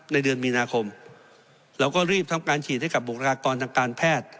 ในเดือนมีนาคมเราก็รีบทำการฉีดให้กับบุคลากรทางการแพทย์